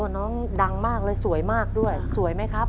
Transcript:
น้องดังมากเลยสวยมากด้วยสวยไหมครับ